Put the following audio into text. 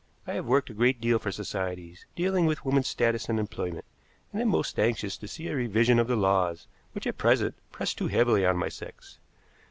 I have worked a great deal for societies dealing with women's status and employment, and am most anxious to see a revision of the laws which at present press too heavily on my sex.